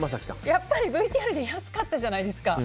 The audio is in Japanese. やっぱりＶＴＲで安かったじゃないですか。